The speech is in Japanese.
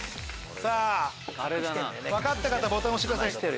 さぁ分かった方ボタンを押してください。